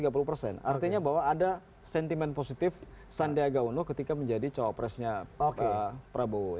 artinya bahwa ada sentimen positif sandiaga uno ketika menjadi cawapresnya pak prabowo